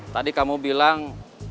tadi kamu bilang